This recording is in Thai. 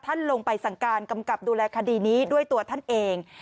ท่านลงไปสั่งการกำกับดูแลคดีนี้ด้วยตัวท่านเอง